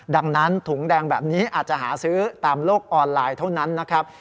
ดังนั้นถุงแดงแบบนี้อาจจะหาซื้อตามโลกออนไลน์เท่านั้นนะครับ